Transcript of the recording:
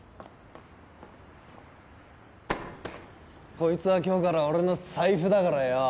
コイツは今日から俺の財布だからよう。